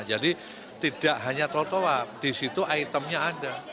jadi tidak hanya trotoar di situ itemnya ada